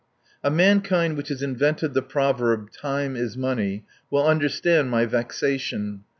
A mankind which has invented the proverb, "Time is money," will understand my vexation.